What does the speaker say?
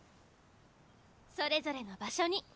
それぞれの場所に。